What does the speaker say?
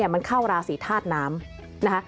มันเข้าราศีธาตุน้ำนะคะ